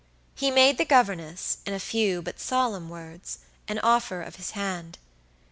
He made the governess, in a few but solemn words, an offer of his hand.